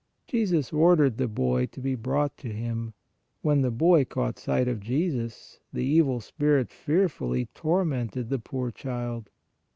Jesus ordered the boy to be brought to Him. When the boy caught sight of Jesus, the evil spirit fearfully tormented the poor child.